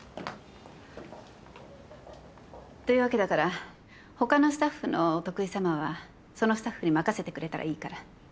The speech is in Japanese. というわけだから他のスタッフのお得意さまはそのスタッフに任せてくれたらいいから。